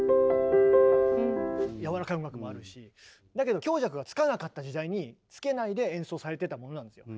やわらかい音楽もあるしだけど強弱がつかなかった時代につけないで演奏されてたものなんですよ。